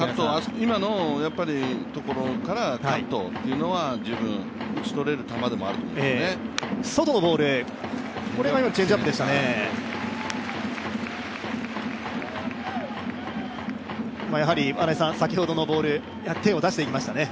今のところからカットというのは十分打ち取れる球だと思いますね。